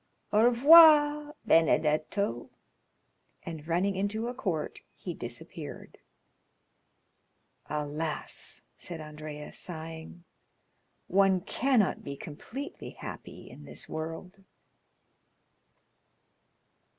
Au revoir, Benedetto;" and running into a court, he disappeared. "Alas," said Andrea, sighing, "one cannot be completely happy in this world!"